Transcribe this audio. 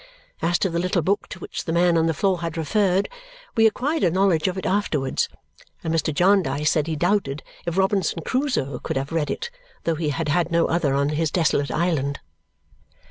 As to the little book to which the man on the floor had referred, we acquired a knowledge of it afterwards, and Mr. Jarndyce said he doubted if Robinson Crusoe could have read it, though he had had no other on his desolate island.